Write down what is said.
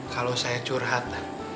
kalau saya curhat